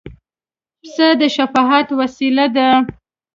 پسه د شفاعت وسیله ده.